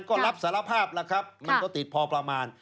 ก็รับสารภาพแล้วครับมันก็ติดพอประมาณ